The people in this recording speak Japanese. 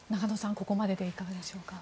ここまででいかがでしょうか。